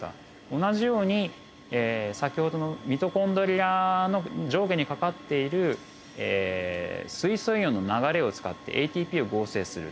同じように先ほどのミトコンドリアの上下にかかっている水素イオンの流れを使ってＡＴＰを合成する。